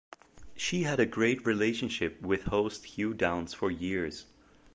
She had a great relationship with host Hugh Downs for years.